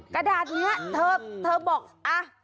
กระดาษนี้เธอบอกอ่ะ